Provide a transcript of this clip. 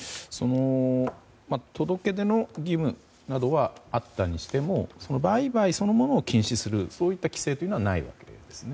届け出の義務などはあったにしても売買そのものを禁止するといった規制はないわけですね。